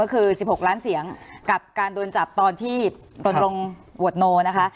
ก็คือ๑๖ล้านเสียงกับการโดนจับตอนที่รณรงค์หวดโนนะคะ